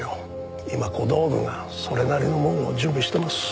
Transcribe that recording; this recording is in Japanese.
今小道具がそれなりのものを準備してます。